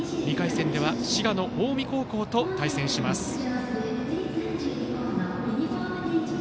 ２回戦では滋賀の近江高校と対戦します。